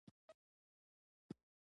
خدای ته ګوره خياطه واسکټ د کرکټ مه ورته ګنډه.